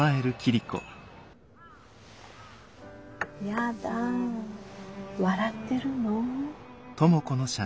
やだ笑ってるの？